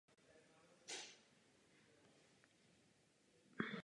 Padlé vojáky připomíná pomník v podobě tanku.